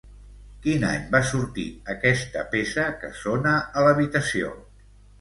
Quin any va sortir aquesta peça que sona a l'habitació?